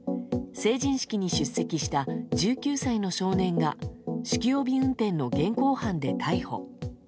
成人式に出席した１９歳の少年が酒気帯び運転の現行犯で逮捕。